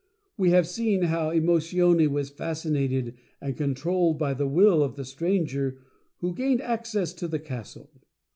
We have seen how Emotione was fascinated and controlled by the Will of the Stranger who gained access to the Castle.